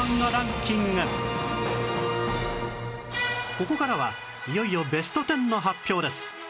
ここからはいよいよベスト１０の発表です